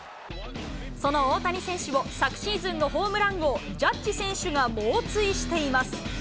その大谷選手を、昨シーズンのホームラン王、ジャッジ選手が猛追しています。